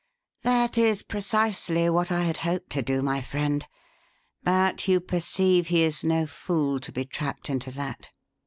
"That is precisely what I had hoped to do, my friend, but you perceive he is no fool to be trapped into that.